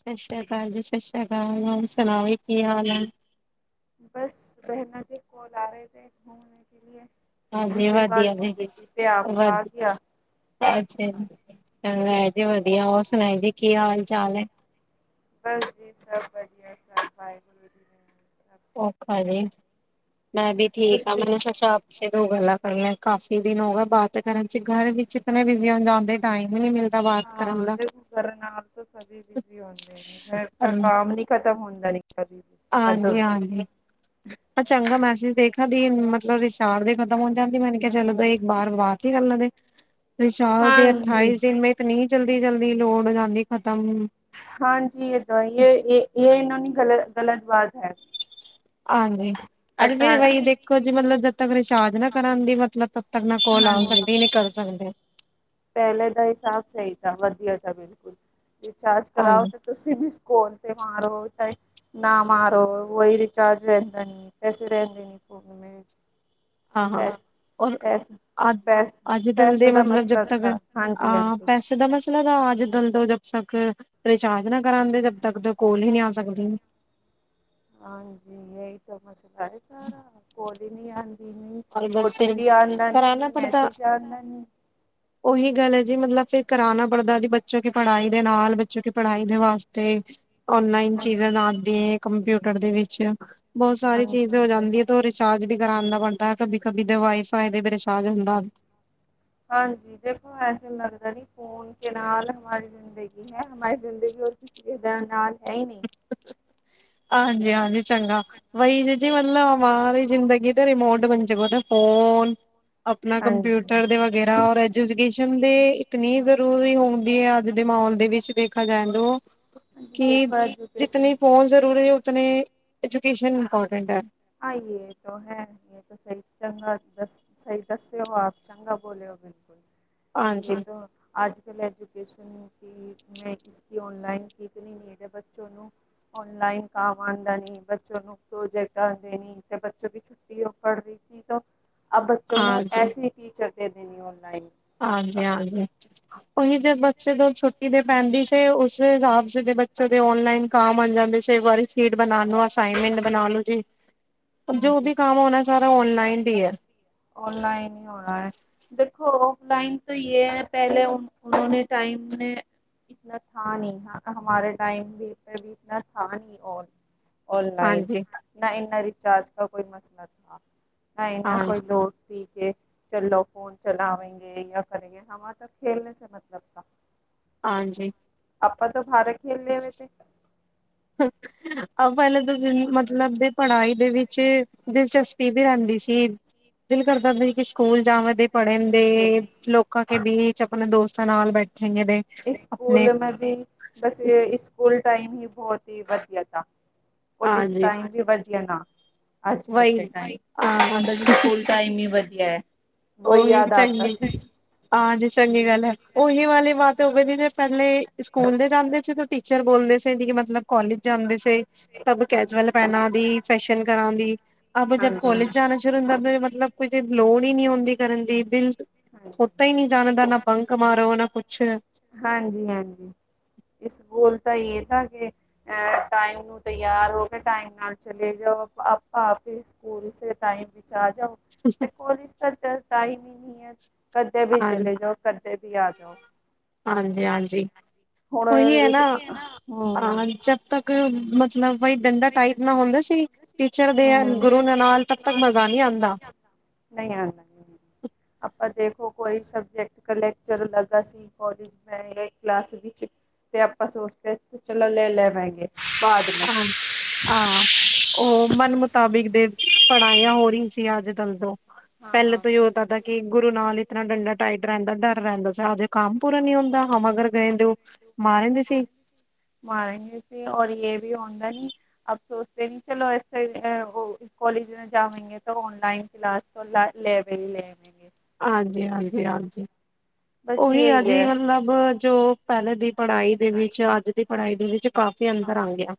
ਸਾਰੀਆਂ ਕਾਲ ਜੀ, ਸਸਰੀਆ ਕਾਲ। ਹੋਰ ਸੁਣਾਓ ਜੀ ਕੀ ਹਾਲ ਐ? ਬਸ ਬਹਿਨਾ ਕੇ ਕਾਲ ਆ ਰਹੇ ਨੇ ਘੁੰਮਨੇ ਕੇ ਲਿਏ। ਹਾਂਜੀ‌। ਵਧੀਆ ਜੀ ਵਧੀਆ‌ ਅੱਛਾ ਮੈਂ ਜੀ ਵਧੀਆ। ਹੋਰ ਸੁਣਾਏ ਜੀ ਕੀ ਹਾਲ-ਚਾਲ ਐ? ਬਸ ਜੀ ਸਭ ਵਧੀਆ। ਸਭ ਵਾਹਿਗੁਰੂ ਜੀ ਦੀ ਔਖਾ ਜੀ। ਮੈਂ ਵੀ ਠੀਕ ਆ, ਤੁਸੀਂ ਮਤਲਬ ਸ ਸੋਚਿਆ ਦੋ ਗੱਲਾਂ ਕਰਨੀਆਂ, ਕਾਫੀ ਦਿਨ ਹੋ ਗੇ ਬਾਤ ਕਰਨ ਚ ਗਰ ਵਿੱਚ ਇਤਨੇ ਬਿਜ਼ੀ ਹੋ ਜਾਂਦੇ ਟਾਈਮ ਈ ਨੀ ਮਿਲ ਹਾਂ ਦੇਖ ਕਰਨ ਨਾਲ ਤੋਂ ਸਭੈ ਬਿਜੀ ਹੁੰਦੇ ਨੇ, ਮੇਰਾ ਤੋਂ ਕਾਮ ਨੀ ਖਤਮ ਹੁੰਦਾ ਨੀ ਕਬੀ ਵੀ ਕਦੋਂ ਵੀ ਹਾਂਜੀ-ਹਾਂਜੀ। ਚੰਗਾ ਮੈਸੇਜ ਦੇਖਾਂ ਦੀ ਮਤਲਬ ਰਿਸ਼ਾਰਡ ਦੇ ਖਤਮ ਹੋ ਜਾਂਦੀ ਮੇਰੀ ਚਲੋ ਦ ਇੱਕ ਵਾਰ ਬਾਤ ਹੀ ਕਰਨ ਦੇ ਵਿਸ਼ਾਲ ਦੇ ਹਾਂਜੀ। ਅਠਾਈਸ ਦਿਨ ਮੇ ਕਿਤਨੀ ਜਲਦੀ-ਜਲਦੀ ਲੋੜ ਹੋ ਜਾਂਦੀ ਐ ਖ਼ਤਮ। ਹਾਂਜੀ ਇਹ ਤਾਂ ਯ ਇਹਨਾਂ ਦੀ ਗ-ਗਲਤ ਬਾਤ ਹੈ। ਹਾਜੀ [unintelligible] ਤੱਕ ਰਿਚਾਰਜ ਨਾ ਕਰਨ ਦੀ ਮਤਲਬ ਤਬ ਤੱਕ ਨਾ ਕੋਲ ਆ ਹਾਂਜੀ। ਸਕਦੀ ਏ, ਨਾ ਕਰ ਸਕਦੇ ਓ। ਪਹਿਲੇ ਦਾ ਹਿਸਾਬ ਸਹੀ ਥਾ ਵਧੀਆ ਥਾ ਬਿਲਕੁਲ ਰਿਚਾਰਜ ਕਰਾਓ ਹਾਂਜੀ ਤੇ ਤੁਸੀਂ ਵੀ ਸਕੋਲ [unintelligible] ਨਾ ਮਾਰੋ। ਉਹੀ ਰਿਚਾਰਜ ਰਹਿੰਦਾ ਨੀ, ਪੈਸੇ ਰਹਿੰਦੇ ਨੀ ਫੋਨ ਮੇ [unintelligible] ਹਾਂ-ਹਾਂ। ਪੈਸੇ ਔਰ ਪੈਸ ਅੱ ਪੈਸ ਅੱਜ-ਕਲ ਦੇ ਪੈਸੋਂ ਦਾ ਮਤਲਬ ਜ ਮਸਲਾ ਤਾਂ ਆ ਹਾਂਜੀ ਹਾਂਜੀ। ਪੈਸੇ ਦਾ ਮਸਲਾ ਤਾਂ ਆਜ ਬਦਲ ਤੋਂ ਜਦ ਤੱਕ ਰਿਚਾਰਜ ਨਾ ਕਰਾਂਦੇ ਜਬ ਤੱਕ ਕੋਲ ਈ ਨੀ ਆ ਸਕਦੀ ਹਾਂਜੀ ਯਹੀ ਤੋ ਮਸਲਾ ਐ ਸਾਰਾ, ਕੋਲ ਈ ਨੀ ਆਉਂਦੀ ਨ ਔਰ ਬਸ ਓਟੀ ਫਿਰ ਪੀ ਆਦਾ ਨੀ, ਕਰਾਨਾ ਪੜਤਾ ਮੈਸੇਜ ਆਦਾ ਨੀ। ਉਹੀ ਗੱਲ ਹੈ ਜੀ ਮਤਲਬ ਫਿਰ ਕਰਾਣਾ ਪੜਦਾ ਜੀ, ਬੱਚੋਂ ਕੇ ਪੜ੍ਹਾਈ ਦੇ ਨਾਲ ਬੱਚੋਂ ਕੇ ਪੜ੍ਹਾਈ ਵਾਸਤੇ ਓਨਲਾਈਨ ਚੀਜ਼ਾਂ [unintelligible] ਕੰਪਿਊਟਰ ਦੇ ਵਿੱਚ ਬਹੁਤ ਸਾਰੀ ਚੀਜ਼ ਹੋ ਜਾਂਦੀ ਐ ਤੇ ਉਹ ਰਿਚਾਰਜ ਵੀ ਕਰਾਉਂਣਾ ਬਣਦਾ ਹਾਂ। ਕਭੀ-ਕਭੀ ਦੇ ਵਾਈ ਫਾਈ ਦਾ ਵੀ ਰਿਚਾਰਜ ਹੁੰਦਾ। ਹਾਂਜੀ ਦੇਖੋ ਐਸੇ ਲੱਗਦਾ ਨੀ ਖੂਨ ਕੇ ਨਾਲ ਹਮਾਰੀ ਜ਼ਿੰਦਗੀ ਹੈ ਹਮਾਰੀ ਜ਼ਿੰਦਗੀ ਔਰ ਕਿਸੇ ਵੀ ਨਾਲ ਹੈ ਹੀ ਨਹੀਂ ਹਾਂਜੀ-ਹਾਂਜੀ। ਚੰਗਾ ਬਹੀ ਜ ਜੀ ਮਤਲਬ ਅਮਾਰੀ ਜ਼ਿੰਦਗੀ ਤੇ ਰਿਮੋਟ ਬਣ ਜੇ ਗਾ ਨਾ ਫੋਨ ਆਪਣਾ ਹਾਂਜੀ। ਕੰਪਿਊਟਰ ਦੇ ਵਗੈਰਾ ਰ ਐਜੁਕੇਸ਼ਨ ਦੇ ਇਤਨੀ ਜ਼ਰੂਰੀ ਹੁੰਦੀ ਹੈ ਅੱਜ ਦੇ ਮਾਹੌਲ ਦੇ ਵਿੱਚ ਤਸੀਂ ਦੇਖਾ ਜਾਂਏ ਤੋਂ, ਹਾਂਜੀ ਕਿ ਜਿਤਨੀ ਫੋਨ ਜ਼ਰੂਰੀ ਉਤਨੀ ਐਜੂਕੇਸ਼ਨ ਇੰਪੋਰਟੈਂਟ ਐ। ਹਾਂ ਇਹ ਤੋ ਹੈ। ਸਹੀ ਚੰਗਾ ਸਹੀ ਦੱਸੇ ਹੋ ਆਪ ਚੰਗਾ ਬੋਲੇਗੇ। ਇਹ ਹਾਂਜੀ, ਤੋ ਅੱਜ ਕੱਲ ਐਜੂਕੇਸ਼ਨ ਕਿ ਮੈਂ ਇਸਕੀ ਆਨਲਾਈਨ ਕਿਤਨੀ ਨੀਡ ਹੈ ਬੱਚੋ ਨੂੰ। ਔਨਲਾਈਨ ਕਾਮ ਆਂਦਾ ਨੀ ਬੱਚੋ ਨੂੰ ਪ੍ਰੋਜੈਕਟ ਕਲਾਸ ਦੇਣੀ ਤੇ ਬੱਚੋਂ ਦੀ ਛੁੱਟੀ ਉਹ ਪੜ ਰਹੀ ਸੀ ਤੋ, ਆ ਬੱਚੋਂ ਨੂੰ ਹਾਂਜੀ, ਐਸੀ ਟੀਚਰ ਦੇ ਦੇਣੀ ਔਨਲਾਈਨ। ਹਾਂਜੀ-ਹਾਂਜੀ ਉਹੀ ਜੇ ਬੱਚੇ ਤੋਂ ਛੁੱਟੀ ਦੇ ਪੈਂਦੀ ਸੀ ਉਸ ਹਿਸਾਬ ਦੇ ਬੱਚੋ ਦੇ ਔਨਲਾਈਨ ਕਾਮ ਆ ਜਾਂਦੇ ਸੀ, ਇੱਕ ਵਾਰੀ ਸੀਟ ਬਣਾਉਣ ਵਾਸਤੇ। ਅਸਾਈਨਮੈਂਟ ਬਣਾ ਲੋ ਜੀ, ਜੋ ਹਾਂਜੀ। ਵੀ ਕੰਮ ਹੋਣਾ ਸਾਰਾ ਔਨਲਾਈਨ ਤੇ ਹੈ। ਔਨਲਾਈਨ ਹੀ ਹੋਣਾ ਹੈ। ਦੇਖੋ ਔਫਲਾਈਨ ਤਾਂ ਯੇ ਹੈ ਪਹਿਲੇ ਣੇ ਟਾਈਮ ਨੇ ਇਤਨਾ ਥਾ' ਨਹੀਂ ਹਮਾਰੇ ਟਾਈਮ ਮੈ ਵੀ ਇਤਨਾ ਥਾ ਨਹੀਂ ਔਰ। ਔਨਲਾਈਨ ਹਾਂਜੀ, ਨਾ ਇੰਨਾਂ ਰਿਚਾਰਜ ਕਾ ਕੋਈ ਮਸਲਾ ਥਾ। ਨਾ ਇੰਨਾ ਕੋਈ ਹਾਂਜੀ, ਲੋੜ ਸੀ। ਕੇ' ਚੱਲੋ ਫੋਨ ਚਲਾਵਂਗੇ ਜਾਂ ਕਰੇਗੇ ਹਾਂ ਮਾ ਤਬ ਖੇਲਣੇ ਸੇ ਮਤਲਬ ਥਾ। ਹਾਂਜੀ। ਆਪਾਂ ਤੋਂ ਬਾਹਰ ਖੇਲ 'ਲੇ ਹੋਏ ਤੇ। [unintelligible] ਹਾਂ ਪਹਿਲੇ ਤਾਂ ਜਿਹਨੂੰ ਮਤਲਬ ਸੀ। ਪੜਾਈ ਦੇ ਵਿੱਚ ਦਿਲਚਸਪੀ ਵੀ ਰਹਿੰਦੀ ਸੀ ਦਿਲ ਕਰਦਾ ਹਦਾ ਸੀ ਕਿ ਸਕੂਲ ਜਾਵ ਦੇ ਪੜਨ ਦੇ, ਲੋਕਾਂ ਕੇ ਬੀਚ' ਆਪਣੇ ਦੋਸਤਾਂ ਨਾਲ ਬੈਠੇਗੇ ਦੇ ਇਸ ਆਪਣੇ ਸਕੂਲ ਮੈਂ ਵੀ ਬਸ ਸਕੂਲ ਟਾਈਮ ਈ ਬਹੋਤ ਹੀ ਵਧੀਆ ਦਾ। ਔਰ ਇਸ ਹਾਂਜੀ ਟਾਈਮ ਵੀ ਵਧੀਆ ਨਾ, ਅੱਜ ਕੱਲ ਵਹੀ ਦੇ ਟਾਈਮ ਤਾਂ ਹਾਂ ਸਕੂਲ। ਟਾਈਮ ਹੀ ਵਧੀਆ ਹੈ, ਵੋਹੀ ਉਹੀ ਯਾਦ ਆਤਾ ਚੰਗੀ ਸੀ। ਹਾਂਜੀ ਚੰਗੀ ਗੱਲ ਹੈ, ਉਹੀ ਵਾਲੀ ਬਾਤ ਹੋਵੇ ਦੀ ਜ' ਪਹਿਲੇ ਸਕੂਲ ਦੇ ਜਾਂਦੇ ਸੀ ਟੀਚਰ ਬੋਲਦੇ ਸੀ ਜ' ਮਤਲਬ ਕੋਲਜ ਜਾਂਦੇ ਸੀ। ਤਬ ਹਾਂਜੀ ਕੈਜੂਅਲ ਹਾਂਜੀ ਪਹਿਨਾ ਦੀ ਫੈਸ਼ਨ ਕਰਾਂ ਦੀ ਅਬ ਜਦ ਹਾਂਜੀ ਕੋਲੇਜ ਜਾਣਾ ਸ਼ੁਰੂ ਕੋਲਜ ਹੁੰਦਾ ਤਬ ਮਤਲਬ ਕੋਈ ਲੋੜ ਹੀ ਨਹੀਂ ਆਉਂਦੀ ਕਰਨ ਦੀ, ਦਿਲ ਉੱਤਾ ਹਾਂਜੀ ਹੀ ਨਹੀਂ ਜਾਣਦਾ ਨਾ ਬੰਕ ਮਾਰੋ ਨਾ ਕੁਛ ਹਾਂਜੀ-ਹਾਂਜੀ ਇਸਕੂਲ ਤਾਂ ਯੇ ਥਾਂ ਕਿ ਏ ਟਾਈਮ ਨੂੰ ਤਿਆਰ ਹੋ ਕੇ ਟਾਈਮ ਨਾਲ ਚਲੇ ਜਾਓ ਆਪਾ ਫੇਰ ਸਕੂਲ ਸੇ ਟਾਈਮ ਵਿੱਚ ਆ ਜਾਓ। ਤੇ' ਕੋਲੇਜ ਤਾਂ ਚਲ ਟਾਈਮ ਹੀ ਨਹੀਂ ਹੈ ਕਦੇ ਵੀ ਹਾਂ ਚਲੇ ਜਾਓ। ਕਦੇ ਵੀ ਆ ਜਾਓ। ਹਾਂਜੀ ਹਾਂਜੀ ਉਹੀ ਹੈ ਨਾ ਅ ਹੂੰ ਜਦ ਤੱਕ ਮਤਲਬ ਬਈ ਡੰਡਾ ਟਾਈਟ ਨਾ ਹੁੰਦਾ ਸੀ। ਟੀਚਰ ਦੇ ਯਾਂ ਗੁਰੂ ਦੇ ਨਾਲ ਤਬ ਤੱਕ ਮਜ਼ਾ ਨਹੀਂ ਆਉਂਦਾ ਨਹੀਂ ਆਂਦਾ ਆਪਾਂ ਦੇਖੋ ਕੋਈ ਸਬਜੈਕਟ ਦਾ ਲੈਕਚਰ ਲੱਗਾ ਸੀ ਕਾਲਜ ਮੈਂ ਕਲਾਸ ਵਿੱਚ ਤੇ ਆਪਾਂ ਸੋਚਦੀ ਕੇ ਚਲੋ ਲੈ ਲਾ ਵੈਗੇ ਹਾਂਜੀ ਆ ਉਹ ਮਨ ਮੁਤਾਬਿਕ ਦੇ ਪੜਾਈਆਂ ਹੋ ਰਹੀ ਸੀ ਅੱਜ ਕੱਲ ਤੋਂ, ਪਹਿਲੇ ਹਾਂ ਤੇ ਉਹਦਾ ਦਾ ਕਿ ਗੁਰੂ ਨਾਲ ਇਤਨਾ ਡੰਡਾ ਟਾਈਟ ਰਹਿੰਦਾ ਡਰ ਰਹਿੰਦਾ ਸੀ ਅਜੇ ਕੰਮ ਪੂਰਾ ਨੀ ਹੁੰਦਾ [unintelligible] [unintelligible] [unintelligible] ਹਾਂਜੀ ਹਾਂਜੀ ਹਾਂਜੀ ਉਹੀ ਆ ਜੀ ਮਤਲਬ ਜੋ ਪਹਿਲੇ ਦੀ ਪੜ੍ਹਾਈ ਦੇ ਵਿੱਚ ਅੱਜ ਦੀ ਪੜ੍ਹਾਈ ਦੇ ਵਿੱਚ ਕਾਫ਼ੀ ਅੰਤਰ ਆ ਗਿਆ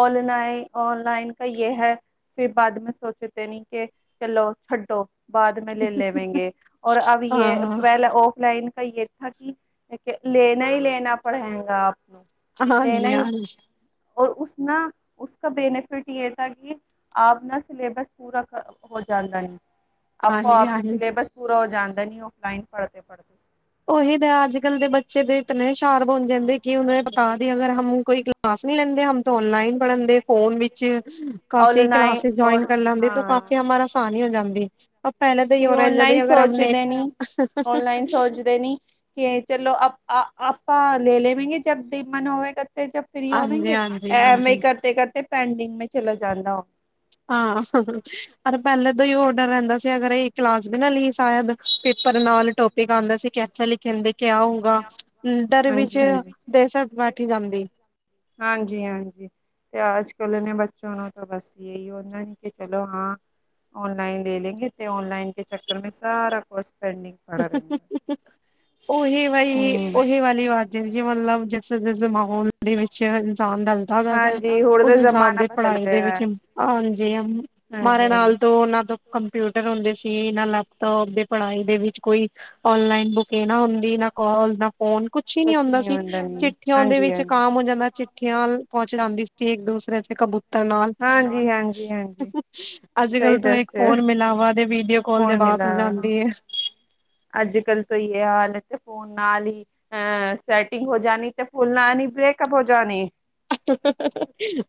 ਔਨਲਾਇਨ ਔਨਲਾਈਨ ਕਾ ਯੇ ਹੈ [unintelligible] ਬਾਅਦ ਮੈਂ ਲੇ ਲੇਵੇਗੇ ਔਰ ਅਬ ਹਾਂ ਯ ਪਹਿਲ ਔਫਲਾਈਨ ਕਾ [unintelligible] ਲੈਣਾ ਹੀ ਲੈਣਾ ਪੜੇਗਾ ਹਾਂਜੀ [unintelligible] ਹਾਂਜੀ ਔਰ ਉਸ ਨਾ ਉਸ ਕਾ ਬੈਨੀਫਿਟ ਯੇ ਥਾ ਕਿ ਆਪਣਾ ਸਿਲੇਬਸ ਪੂਰਾ ਹੋ ਜਾਂਦਾ ਹੈ ਹਾਂਜੀ ਹਾਂਜੀ [unintelligible] ਉਹੀ ਤਾਂ ਅੱਜ ਕੱਲ੍ਹ ਦੇ ਬੱਚੇ ਦੇ ਇਤਨੇ ਹੁਸ਼ਾਰ ਬਣ ਜਾਂਦੇ ਕਿ ਉਹ ਕੋ ਬਤਾ ਦੇ ਅਗਰ ਹਮ ਕੋਈ ਕਲਾਸ ਨੀ ਲੈਂਦੇ ਹਮ ਜਾਂਦੀ ਨਹੀਂ [unintelligible] [unintelligible] ਦੇ ਨੀ [unintelligible] ਹਾਂਜੀ ਹਾਂਜੀ ਹਾਂਜੀ [unintelligible] ਹਾਂ ਪਰ ਪਹਿਲੇ ਤੋਂ ਹੀ ਔਡਰ ਰਹਿੰਦਾ ਸੀ ਅਗਰ ਇਹ ਕਲਾਸ ਵੀ ਨਾ [unintelligible] ਪੇਪਰ ਨਾਲ ਟੋਪਿਕ ਆਉਂਦਾ ਸੀ [unintelligible] ਹਾਂਜੀ ਹਾਂਜੀ [unintelligible] ਹਾਂਜੀ ਹਾਂਜੀ ਤੇ ਅੱਜ ਕੱਲ੍ਹ ਇਹਨਾਂ ਬੱਚਿਆਂ ਨੂੰ ਤਾਂ ਬਸ ਯੇਹੀ ਹੁੰਦਾ [unintelligible] ਔਨਲਾਈਨ ਲੇ ਲੈਂਗੇੇ ਤੇ ਔਨਲਾਈਨ ਕੇ ਚੱਕਰ ਮੈਂ ਸਾਰਾ ਕੁਜ ਪੈਂਡ [unintelligible] ਹਮ [unintelligible] ਜਿਸ-ਜਿਸ ਮਾਹੌਲ ਦੇ ਵਿੱਚ ਇਨਸਾਨ ਹਾਂਜੀ [unintelligible] ਹੁਣ ਦਾ ਜ਼ਮਾਨਾ ਬਦਲ ਗਿਆ ਹੈ ਹਾਂਜੀ ਹਾਂਜੀ [unintelligible] ਕੰਪਿਊਟਰ ਹੁੰਦੇ ਸੀ ਨਾ ਲੈਪਟੋਪ ਦੇ ਪੜ੍ਹਾਈ ਦੇ ਵਿੱਚ ਕੋਈ ਓਨਲਾਈਨ ਬੁਕ ਨਾ ਹੁੰਦੀ ਨਾ ਕੋਲ ਨਾ ਫੋਨ ਕੁਛ ਹੀ ਨੀ ਹੁੰਦਾ ਸੀ ਚਿੱਠੀਆਂਓ ਦੇ ਵਿੱਚ ਕਮ ਹੋ ਜਾਂਦਾ ਚਿਠੀਆਂ ਪਹੁੰਚ ਜਾਂਦੀ ਸੀ ਇੱਕ ਦੂਸਰੇ ਦੇ ਕਬੂਤਰ ਨਾਲ ਹਾਂਜੀ ਹਾਂਜੀ ਅੱਜ ਕਲ ਤੋਂ ਇੱਕ ਫੋਨ ਮਿਲਾ ਹੁਆ ਤੇ ਵੀਡੀਓ ਕਾਲ ਤੇ ਬਾਤ ਹੋ ਜਾਂਦੀ ਹੈ ਹੈ। ਅੱਜ ਕੱਲ ਤੋਂ [unintelligible] [unintelligible]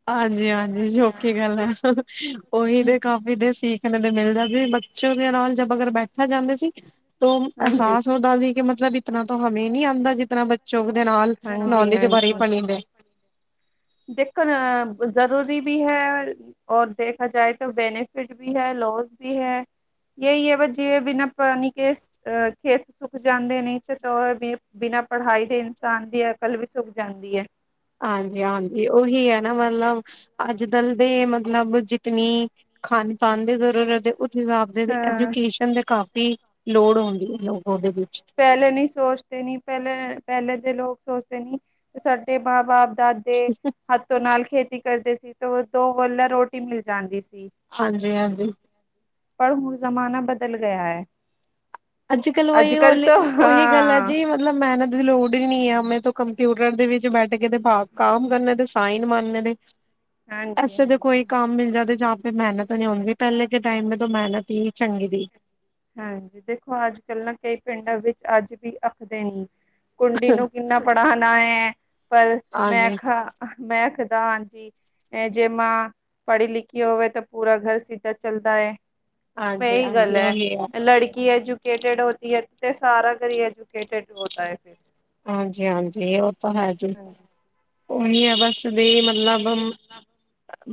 ਹਾਂਜੀ-ਹਾਂਜੀ ਜੋੋਖੀ ਗੱਲ ਹੈ [unintelligible] ਤੋਂ ਅਹਿਸਾਸ ਹੋਤਾ ਸੀ ਕਿ ਮਤਲਬ ਇਤਨਾ ਤੋਂ ਹਮਂ ਨਹੀ ਆਉਂਦਾ ਜਿਤਨਾ ਬ [unintelligible] ਦੇਖੋ ਨਾ ਜ਼ਰੂਰੀ ਵੀ ਹੈ ਔਰ ਦੇਖਾ ਜਾਏ ਤੋ ਬੈਨੀਫਿਟ ਵੀ ਹੈ ਲੋਸ ਵੀ ਹੈ ਯੇਹੀ ਹੈ ਜੀਵੇਂ ਬਿਨਾਂ ਪਾਣੀ ਕੇ [unintelligible] ਬਿਨਾਂ ਪੜ੍ਹਾਈ ਦੇ ਇਨਸਾਨ ਦੀ ਅਕਲ ਵੀ ਸੁੱਕ ਜਾਂਦੀ ਹੈ ਹਾਂਜੀ-ਹਾਂਜੀ ਉਹੀ ਹੈ ਨਾ ਮਤਲਬ ਅੱਜ ਦਲ ਦੇ ਮਤਲਬ ਜਿਤਨੀ ਖਾਣ ਪਾਣ ਦੀ ਜ਼ਰੂਰਤ ਹੈ ਉਸ ਹਿਸਾਬ ਦੇ ਐਜੂਕੇਸ਼ਨ ਦੇ ਕਾਫੀ ਲੋੜ ਹੁੰਦੀ ਐ ਲੋ ਔਦੇ ਵਿੱਚ ਪੈਲੇ ਨੀ ਸੋਚਦੇ ਨੀ ਪੈਲੇ ਪੈਲੇ ਦੇ ਲੋਕ ਸੋਚਦੇ ਨੀ ਸਾਡੇ ਮਾਂ ਬਾਪ ਦਾ ਤੇ ਹੱਥੋ ਨਾਲ ਖੇਤੀ ਕਰਦੇ ਸੀ ਤੇ ਦੋ ਵੱਲ ਲਾ ਰੋਟੀ ਮਿਲ ਜੈਦੀ ਸੀ। ਹਂਜੀ, ਹਂਜੀ। ਪਰ ਹੁਨ ਜ਼ਮਾਨਾ ਬਦਲ ਗਿਆ ਐ। ਅੱਜ ਕੱਲ ਵਹੀ ਹੋਲੀ ਤਾਂ ਔਹੀ ਗੱਲ ਐ ਹਾਂ ਜੀ। ਮਤਲਬ ਮਿਹਨਤ ਦੀ ਲੋੜ ਈ ਨੀ ਐ। ਮੈਂ ਤੋਂ ਕੰਪਿਊਟਰ ਦੇ ਵਿੱਚ ਬੈਠ ਕੇ ਤੇ ਬਾਕ ਕਾਮ ਕਰਨ ਤੇ ਸਾਈਨ ਮਾਨੇ ਦੇ ਹਾਂਜੀ ਐਸੇ ਦੇ ਕੋਈ ਹਾਂਜੀ ਕੰਮ ਮਿਲ ਜਾਂਦੇ ਜਾਂ। ਫੇਰ ਮਿਹਨਤ ਨੀ ਹੋੰਦੀ ਪੈਲੇ ਕੇ ਟੈਮ ਮਿਹਨਤ ਹੀ ਚੰਗੀ ਦੀ। ਹਂਜੀ, ਦੇਖੋ ਅੱਜ ਕੱਲ ਨਾ ਕਈ ਪਿੰਡਾਂ ਵਿੱਚ ਅੱਜ ਵੀ ਕੁੰਡੀ ਨੂੰ ਕਿੰਨਾ ਪੜਾਨਾ ਹੈ। ਪਰ ਮੈਂ ਹਾਂਜੀ ਮੈਂ ਖਦਾ ਹਾਂਜੀ, ਐ ਜੇਮਾ ਪੜੀ ਲਿਖੀ ਹੋਵੇ ਤਾਂ ਪੂਰਾ ਘਰ ਸਿੱਧਾ ਚਲਦੈ। ਹਾਂਜੀ ਮੇਈ ਗੱਲ ਹਾਂਜੀ ਐ। ਉਹੀ ਹੈ ਲੜਕੀ ਐਜੂਕੇਟਿਡ ਹੋੰਦੀ ਐ ਤੇ ਸਾਰਾ ਘਰ ਐਜੂਕੇਟਡ ਹੋੰਦਾ ਐ। ਹਂਜੀ, ਹਂਜੀ ਔ ਤਾਂ ਹੈ ਜੀ ਹਾਂਜੀ ਔਹੀ ਹੈ ਬਸ। ਦੀ ਮਤਲਬ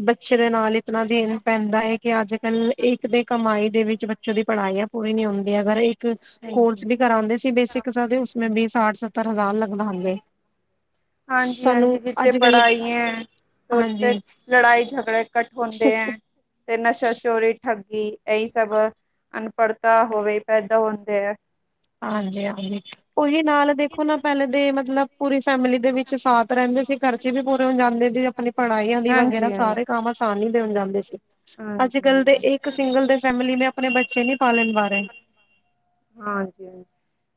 ਬੱਚੇ ਦੇ ਨਾਲ ਇਤਨਾ ਦੇਨ ਪੈਂਦਾ ਐ। ਕਿ ਅੱਜਕੱਲ ਇੱਕ ਦੇ ਕਮਾਈ ਦੇ ਵਿੱਚ ਬੱਚੋਂ ਦੀ ਪੜਾਈਆਂ ਪੂਰੀ ਨੀ ਹੁੰਦੀਆਂ। ਅਗਰ ਇੱਕ ਕੋਰਸ ਵੀ ਕਰਾਉਂਦੇ ਸੀ। ਬੇਸਿਕ ਉਸ ਮੇਂ ਭੀ ਸਠ ਸੱਤਰ ਹਜ਼ਾਰ ਲੱਗਦਾ ਹੁੰਦੇ। ਹਂਜੀ, ਹਂਜੀ ਜਿੱਥੇ ਪੜਾਇਆਂਐ। ਹਾਂਜੀ ਔਥੇ ਲੜਾਈ ਝਗੜੇ ਕੱਠ ਹੁੰਦੇ ਐਂ। ਤੇ ਨਸ਼ਾ ਚੋਰੀ ਠੱਗੀ ਏਹੀ ਸਭ ਅਨਪੜਤਾ ਹੋਵੇ ਪੈਦਾ ਹੁੰਦੇ ਐ। ਹਂਜੀ, ਹਂਜੀ ਔਹੀ ਨਾਲ ਦੇਖੋ ਨਾ ਪੈਲੇ ਤੇ ਮਤਲਬ ਪੂਰੀ ਫੈਮਿਲੀ ਦੇ ਵਿੱਚ ਸਾਥ ਰੈਂਦੇ ਸੀ। ਖਰਚੇ ਵੀ ਪੂਰੇ ਹੋ ਜਾਂਦੇ ਸੀ। ਅਪਨੀ ਪੜਾਈਆਂ ਦੀ ਵਗੈਰਾ ਸਾਰੇ ਕੰਮ ਨ ਦੇਨ ਜਾਂਦੇ ਸੀ। ਜਾਂਦੇ ਅੱਜ-ਕੱਲ ਸੀ ਦੇ ਇੱਕ ਸਿੰਗਲ ਦੇ ਫੈਮਿਲੀ ਅਪਨੇ ਬੱਚੇ ਨੀ ਪਾਲਨ ਨੀ ਪਾ ਰੈ। ਹਾਂਜੀ,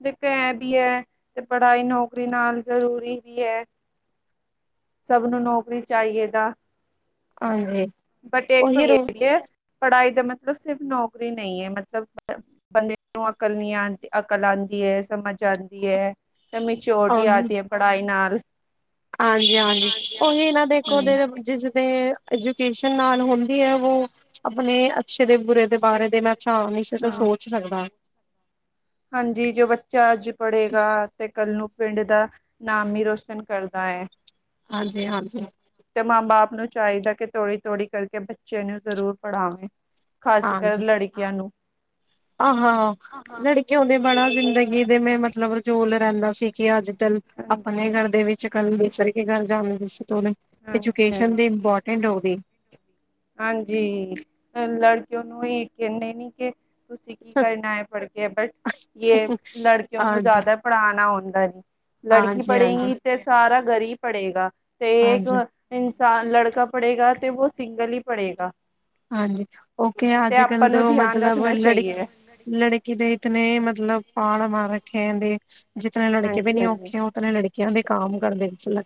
ਇਕ ਐ ਵੀ ਹੈ ਤੇ ਪੜਾਈ ਨੌਕਰੀ ਨਾਲ ਜ਼ਰੂਰੀ ਵੀ ਐ। ਸਭ ਨੂੰ ਨੌਕਰੀ ਚੈਈਏ ਦਾ। ਆਈਹੇ। ਬਟ ਏਸਵਿੱਚਪੜਾਈ ਦਾ ਮਤਲਬ ਸਿਰਫ ਨੌਕਰੀ ਨਹੀਂ ਐ। ਮਤਲਬ ਬੰਦੇ ਨੂੰ ਅਕਲ ਨੀ ਆਦੀ, ਅਕਲ ਆਦੀ ਐ, ਸਮਝ ਆਦੀ ਐ। ਸਮਝ ਸਿ਼ਔਰਟੀ ਆਤੀ ਐ, ਪੜਈ ਨਾਲ ਹਾਂਜੀ, ਹਾਂਜੀ ਔਹੀ ਨਾ ਦੇਖੋ ਜਿਸ ਦੇ ਐਜੂਕੇਸ਼ਨ ਨਾਲ ਹੁੰਦੀ ਹੈ। ਵੋ ਅਪਨੇ ਕਿੱਛੇ ਦੇ ਬੁਰੇ ਦੇ ਬਾਰੇ ਦੇ ਮੈਂ ਚਾਨ ਨਹੀਂ ਸਕਤਾ ਸੋਚ ਸਕਦਾ। ਹਂਜੀ ਜੋ ਬੱਚਾ ਅੱਜ ਪੜੇਗਾ ਤੇ ਕੱਲ ਨੂੰ ਪਿੰਡ ਦਾ--ਂ ਨਾਮ ਈ ਰੋਸ਼ਨ ਕਰਦਾ ਐ। ਹਂਜੀ, ਹਂਜੀ। ਤੇ ਮਾਂ ਬਾਪ ਨੂੰ ਚੈਦਾ ਕਿ ਤੋੜੀ-ਤੋੜੀ ਕਰਕੇ ਬੱਚੇਆਂ ਨੂੰ ਜ਼ਰੂਰ ਪੜਾਵੋ। ਹਂਜੀ, ਆਹੋੋ ਲੜਕਿਔ ਦੇ ਬੜਾ ਜ਼ਿੰਦਗੀ ਜਿਦੇ ਮੈਂ ਮਤਲਬ ਜੋੜ ਲੜਾਂਦਾ ਸੀ, ਕਿ ਅੱਜ-ਕੱਲ ਹਾਂਜੀ। ਅਪਨੇ ਘਰ ਦੇ ਵਿੱਚ ਜੇ ਕੱਲ ਨੂੰ ਦੁਸਰੇ ਕੇ ਘਰ ਜੈਂਦੇ ਸੀ ਹਾਂਜੀ-ਹਾਂਜੀ। ਐਜੂਕੇਸ਼ਨ ਦੀ ਇੰਪੋਰਟੈਂਟ ਹੋੰਦੀ। ਹਂਜੀ, ਹੁਨਲੜਿਕਕਿਔ ਨੂੰ ਈ ਕੈਂਦੇ ਨੀ ਕਿ ਤੁਸੀਂ ਕੀ ਕਰਨਾ ਐ ਫੜਕੇ ਬਟ ਯ ਹਾਂਜੀ, ਲੜਕਿਔ ਕੋ ਹਾਂਜੀ, ਜੈਦਾ ਪੜਾਨਾ ਹੋਤਾ ਹੈ ਨੀ ਲੜਕੀ ਹਾਂਜੀ, ਪੜੇਗੀ ਤੇ ਸਾਰਾ ਘਰ ਈ ਪੜੇਗਾ ਤੇ ਹਾਂਜੀ, ਇਨਸਾਨ ਲੜਕਾ ਪੜ੍ਹੇਗਾ, ਤੇ ਵੋ ਸਿੰਗਲ ਹੀ ਪੜ੍ਹੇਗਾ। ਹਾਂਜੀ, ਓਕੇ ਅੱਜ-ਕੱਲ ਦੇ ਨੂੰ ਉਹ ਧਿਆਨ ਮਤਲਬ ਰੱਖਣਾ ਲੜਕ- ਚਾਹੀਏ। ਲੜਕੀ ਦੇ ਇਤਨੇ ਮਤਲਬ [unintelligible] ਹਾਂਜੀ ਹਾਂਜੀ [unintelligible]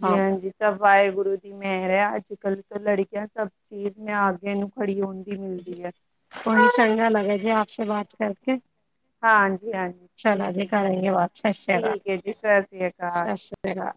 ਕਾਮ ਤਾਂ ਵਾਹਿਗੁਰੂ ਦੀ ਮਿਹਰ ਹੈ, ਅੱਜ-ਕੱਲ੍ਹ ਤਾਂ ਲੜਕੀਆਂ ਸਭ ਚੀਜ਼ ਮੇ ਆਗੇ ਹੈ ਬੜੀ [unintelligible] ਮਿਲਦੀ ਹੈ। ਉਹੀ ਚੰਗਾ ਲੱਗਾ ਦੀ ਆਪਸੇ ਬਾਤ ਕਰਕੇ, ਹਾਂਜੀ ਹਾਂਜੀ ਚਲੋ ਠੀਕ ਜੀ ਹੈ ਕਰੇਗੇ [unintelligible] ਸਤਿ ਸ੍ਰੀ ਅਕਾਲ ਠੀਕ ਹੈ ਜੀ ਸਤਿ ਸ੍ਰੀ ਅਕਾਲ ਸਤਿ ਸ੍ਰੀ- ਸ੍ਰੀ ਕਾਲ